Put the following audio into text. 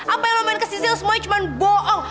apa yang lo main ke sisil semuanya cuma boong